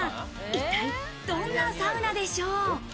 一体どんなサウナでしょう？